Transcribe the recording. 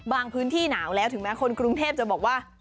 พื้นที่หนาวแล้วถึงแม้คนกรุงเทพจะบอกว่า